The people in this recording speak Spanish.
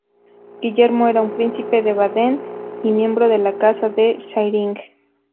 Guillermo era un Príncipe de Baden y miembro de la Casa de Zähringen.